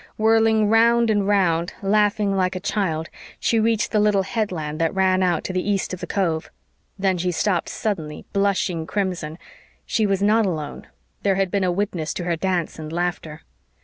Whirling round and round, laughing like a child, she reached the little headland that ran out to the east of the cove; then she stopped suddenly, blushing crimson; she was not alone; there had been a witness to her dance and laughter.